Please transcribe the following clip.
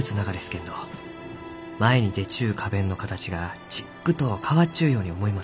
けんど前に出ちゅう花弁の形がちっくと変わっちゅうように思います。